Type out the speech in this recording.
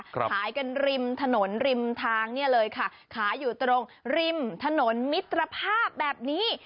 ขายกันริมถนนริมทางเนี่ยเลยค่ะขายอยู่ตรงริมถนนมิตรภาพแบบนี้